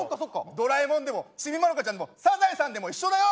「ドラえもん」でも「ちびまる子ちゃん」でも「サザエさん」でも一緒だよ！